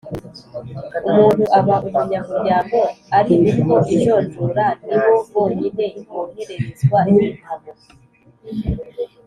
Umuntu aba umunyamuryango ari uko ijonjora ni bo bonyine bohererezwa igitabo